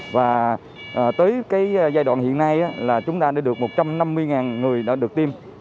và tới cái giai đoạn hiện nay là chúng ta đã được một trăm năm mươi người đã được tiêm